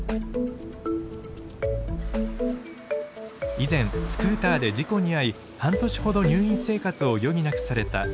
以前スクーターで事故に遭い半年ほど入院生活を余儀なくされた依田さん。